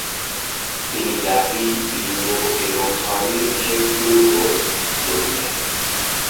তিনি জাতি, লিঙ্গ এবং ধর্মের বিষয়গুলির উপর জোর দেন।